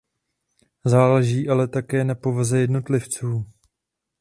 Záleží ale také na povaze jednotlivců.